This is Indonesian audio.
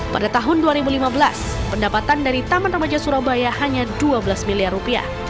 pada tahun dua ribu lima belas pendapatan dari taman remaja surabaya hanya dua belas miliar rupiah